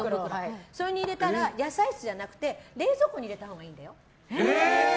それに入れたら野菜室じゃなくて冷蔵庫に入れたほうがいいんだよ。